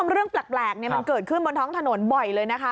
เรื่องแปลกมันเกิดขึ้นบนท้องถนนบ่อยเลยนะคะ